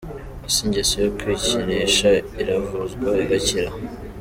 Ese ingeso yo kwikinisha iravurwa igakira?.